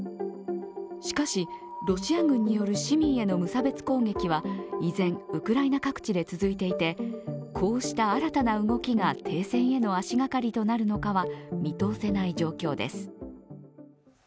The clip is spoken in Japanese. しかし、ロシア軍による市民への無差別攻撃は依然、ウクライナ各地で続いていてこうした新たな動きが停戦への足がかりとなるのかは見通せない状況です。